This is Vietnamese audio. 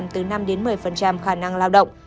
từ năm đến một mươi khả năng lao động